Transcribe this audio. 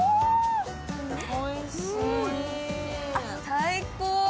最高。